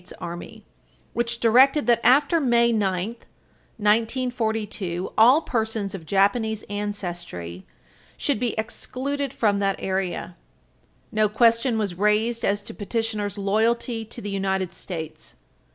S. Army, which directed that, after May 9, 1942, all persons of Japanese ancestry should be excluded from that area. No question was raised as to petitioner's loyalty to the United States.